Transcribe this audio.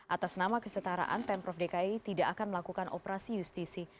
atas nama kesetaraan pemprov dki tidak akan melakukan operasi justisi